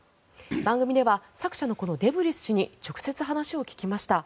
番組では作者のデブリス氏に直接話を聞きました。